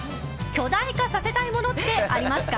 巨大化させたいものってありますか？